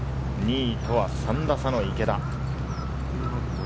２位とは３打差の池田。